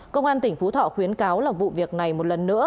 công an tỉnh phú thọ khuyến cáo là vụ việc này một lần nữa